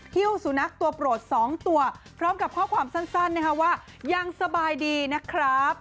ฮิ้วสุนัขตัวโปรด๒ตัวพร้อมกับข้อความสั้นนะคะว่ายังสบายดีนะครับ